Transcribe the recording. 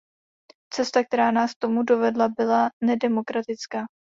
Cesta, která nás k tomu dovedla, byla nedemokratická.